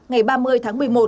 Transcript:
ngày ba mươi tháng một mươi một